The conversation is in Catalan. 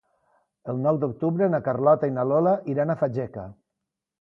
El nou d'octubre na Carlota i na Lola iran a Fageca.